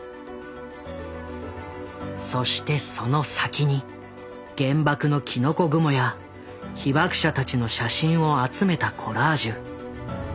そしてその先に原爆のきのこ雲や被爆者たちの写真を集めたコラージュ。